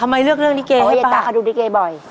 สามเรื่องมันก็คือเรื่องรีเก